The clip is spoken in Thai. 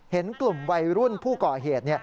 เห็นกลุ่มวัยรุ่นผู้ก่อเหตุ